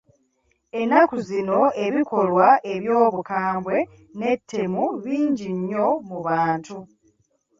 Ennaku zino ebikolwa eby'obukambwe n’ettemu bingi nnyo mu bantu.